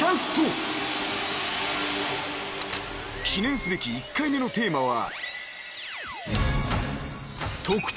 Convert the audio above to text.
［記念すべき１回目のテーマは］